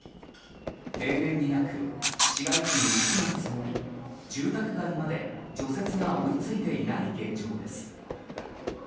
例年になく市街地に雪が積もり住宅街まで除雪が追いついていない現状です。